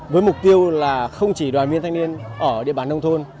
với mục tiêu là không chỉ đoàn viên thanh niên ở địa bàn nông thôn